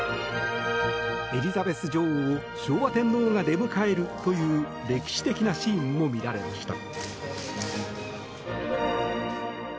エリザベス女王を昭和天皇が出迎えるという歴史的なシーンも見られました。